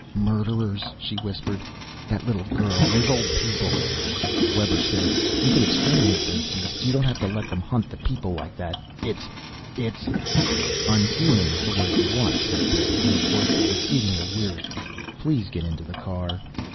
"Murderers," she whispered. "That little girl, those old people " Webber said, "You could exterminate those beasts. You don't have to let them hunt the people like that. It's it's " "Unhuman is the word you want," said Bregg. His voice was exceedingly weary. "Please get into the car."